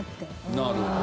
なるほど。